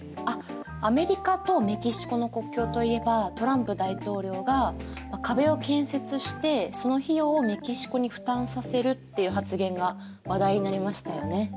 あっアメリカとメキシコの国境といえばトランプ大統領が壁を建設してその費用をメキシコに負担させるっていう発言が話題になりましたよね。